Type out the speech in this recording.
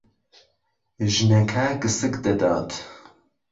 ژنەکە گسک دەدات.